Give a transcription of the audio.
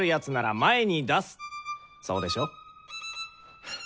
そうでしょ？